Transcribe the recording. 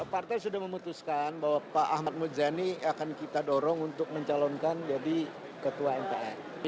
partai sudah memutuskan bahwa pak ahmad muzani akan kita dorong untuk mencalonkan jadi ketua mpr